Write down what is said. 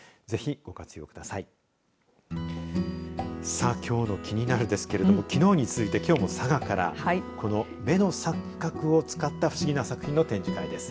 さあ、きょうのキニナル！ですけれど、きのうに続いてきょうも佐賀からこの目の錯覚を使った不思議な作品の展示会です。